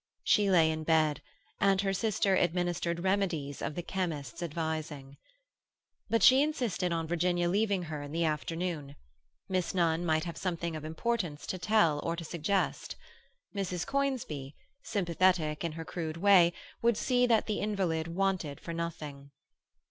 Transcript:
She lay in bed, and her sister administered remedies of the chemist's advising. But she insisted on Virginia leaving her in the afternoon. Miss Nunn might have something of importance to tell or to suggest. Mrs. Conisbee, sympathetic in her crude way, would see that the invalid wanted for nothing.